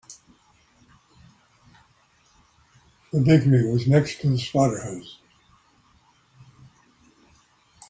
The bakery was next to the slaughterhouse.